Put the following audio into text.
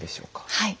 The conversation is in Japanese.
はい。